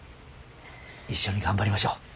一緒に頑張りましょう。